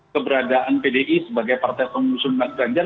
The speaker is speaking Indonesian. keberadaan pdi sebagai partai pengusuhan ganjar